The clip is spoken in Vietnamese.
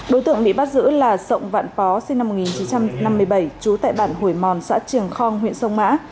đối tượng bị bắt giữ là sộng vạn phó sinh năm một nghìn chín trăm năm mươi bảy trú tại bản hồi mòn xã triềng khong huyện sông mã